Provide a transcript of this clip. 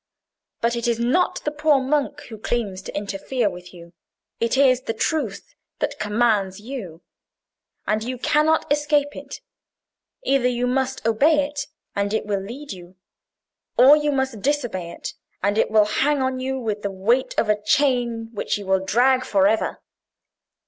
But it is not the poor monk who claims to interfere with you: it is the truth that commands you. And you cannot escape it. Either you must obey it, and it will lead you; or you must disobey it, and it will hang on you with the weight of a chain which you will drag for ever.